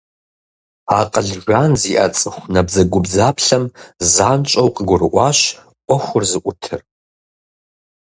Акъыл жан зиӀэ цӀыху набдзэгубдзаплъэм занщӀэу къыгурыӀуащ Ӏуэхур зыӀутыр.